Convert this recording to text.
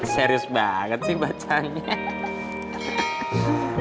serius banget sih bacanya